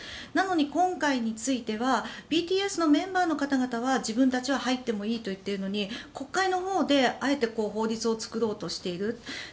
なのに今回についてはＢＴＳのメンバーの方々は自分たちは入ってもいいと言っているのに国会のほうであえて法律を作ろうとしている。